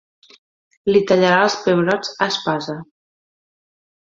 Li tallarà els pebrots a espasa.